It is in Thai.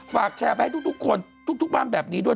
ฝากแชร์ไปให้ทุกคนทุกบ้านแบบนี้ด้วย